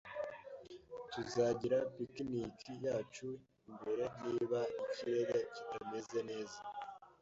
Tuzagira picnic yacu imbere niba ikirere kitameze neza.